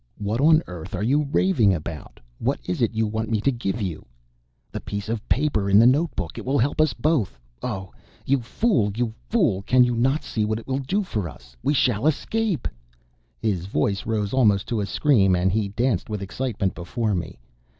"What on earth are you raving about? What is it you want me to give you?" "The piece of paper in the notebook. It will help us both. Oh, you fool! You fool! Can you not see what it will do for us? We shall escape!" His voice rose almost to a scream, and he danced with excitement before me.